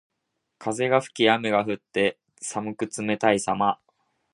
風が吹き雨が降って、寒く冷たいさま。